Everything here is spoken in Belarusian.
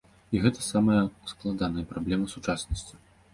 І гэта самая складаная праблема сучаснасці.